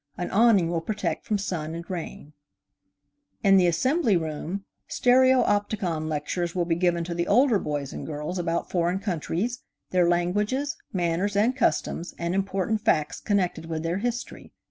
An awning will protect from sun and rain. MRS. GEORGE L. DUNLAP. In the Assembly Room, stereopticon lectures will be given to the older boys and girls about foreign countries, their languages, manners and customs, and important facts connected with their history.